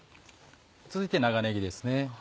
続いて長ねぎですね。